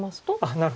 なるほど。